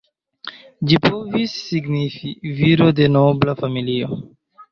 Ĝi povis signifi "viro de nobla familio".